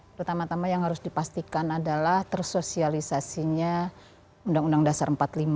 pertama tama yang harus dipastikan adalah tersosialisasinya undang undang dasar empat puluh lima